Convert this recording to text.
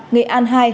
nghệ an hai